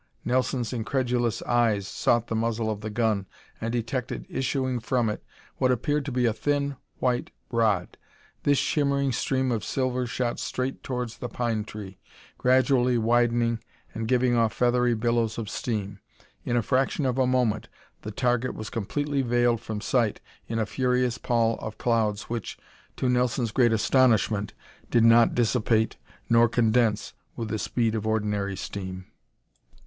Nelson's incredulous eyes sought the muzzle of the gun and detected issuing from it what appeared to be a thin, white rod. This shimmering stream of silver shot straight towards the pine tree, gradually widening and giving off feathery billows of steam. In a fraction of a moment the target was completely veiled from sight in a furious pall of clouds which, to Nelson's great astonishment, did not dissipate nor condense with the speed of ordinary steam.